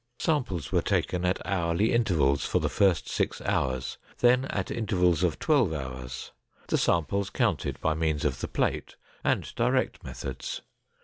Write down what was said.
Samples were taken at hourly intervals for the first six hours, then at intervals of twelve hours, the samples counted by means of the plate and direct methods.